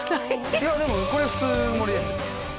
いやでもこれ普通盛りですよえっ